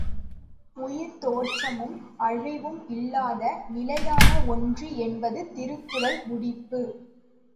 உயிர் தோற்றமும், அழிவும் இல்லாத நிலையான ஒன்று என்பது திருக்குறள் முடிபு.